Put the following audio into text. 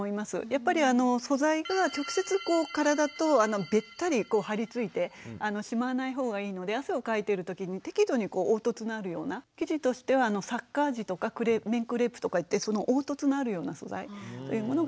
やっぱりあの素材が直接体とべったり張り付いてしまわない方がいいので汗をかいてる時に適度に凹凸のあるような生地としてはサッカー地とか綿クレープとかいって凹凸のあるような素材というものがいいと思います。